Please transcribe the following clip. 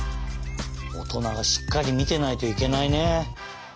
おとながしっかりみてないといけないね。